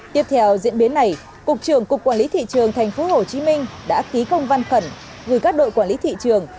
tiếp theo diễn biến này cục trưởng cục quản lý thị trường tp hcm đã ký công văn khẩn gửi các đội quản lý thị trường